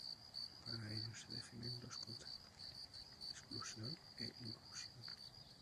Para ello se definen dos conceptos: Exclusión e inclusión.